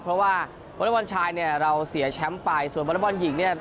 เพราะว่าวอเล็กบอลชายเนี่ยเราเสียแชมป์ไปส่วนวอเล็กบอลหญิงเนี่ย